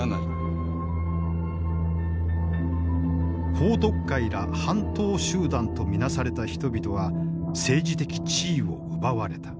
彭徳懐ら反党集団と見なされた人々は政治的地位を奪われた。